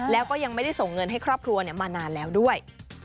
แล้วก็ยังไม่ได้ส่งเงินให้ครอบครัวมานานแล้วด้วย